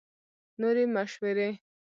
نورې مشورې